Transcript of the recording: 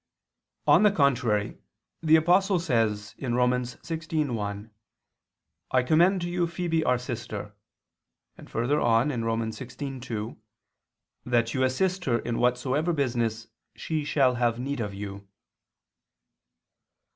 On the contrary, The Apostle says (Rom. 16:1): "I commend to you Phoebe our Sister," and further on (Rom. 16:2), "that you assist her in whatsoever business she shall have need of you."